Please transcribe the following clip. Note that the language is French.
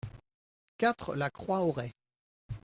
quatre la Croix Auray